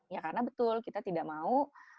ya karena betul kita tidak mau